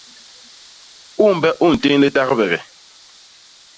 U mbe u ntén litagbege?